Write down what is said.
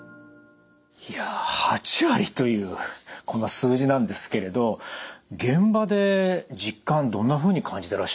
いや８割というこの数字なんですけれど現場で実感どんなふうに感じてらっしゃいますか？